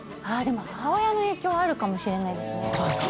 でも母親の影響あるかもしれないですね。